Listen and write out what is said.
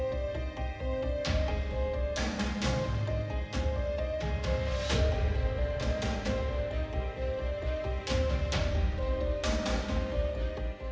dari surat surat birokras itu sering dibilang